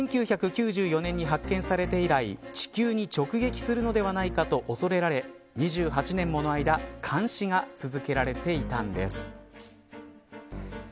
１９９４年に発見されて以来地球に直撃するのではないかと恐れられ２８年もの間監視が続けられていたんです。